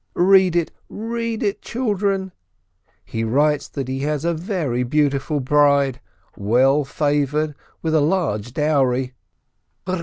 Read it, read it, children ! He writes that he has a very beautiful bride, well favored, with a large 92 SPEKTOE dowry.